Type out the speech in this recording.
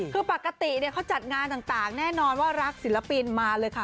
คือปกติเขาจัดงานต่างแน่นอนว่ารักศิลปินมาเลยค่ะ